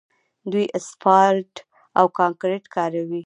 دوی اسفالټ او کانکریټ کاروي.